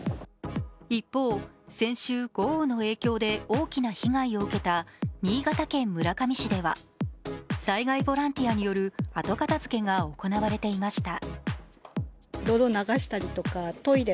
一方、先週、豪雨の影響で大きな被害を受けた新潟県村上市では災害ボランティアによる後片づけが行われていました。